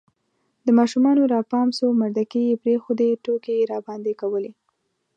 د ماشومانو را پام سو مردکې یې پرېښودې، ټوکې یې راباندې کولې